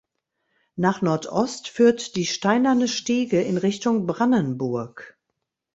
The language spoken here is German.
Nach Nordost führt die Steinerne Stiege in Richtung Brannenburg.